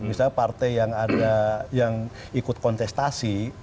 misalnya partai yang ikut kontestasi